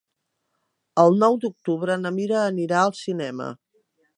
El nou d'octubre na Mira anirà al cinema.